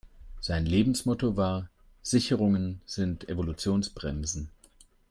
Sein Lebensmotto war: Sicherungen sind Evolutionsbremsen.